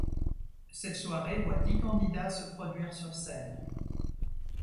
Cette soirée voit dix candidats se produire sur scène.